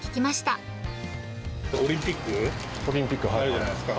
オリンピックあるじゃないですか。